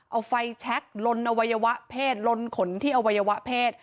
เอาไฟแช็คลนอวัยวะเพศลนขนที่อวัยวะเพศ